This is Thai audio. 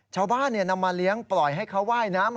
ชาวบ้านนำมาเลี้ยงปล่อยให้เขาว่ายน้ำ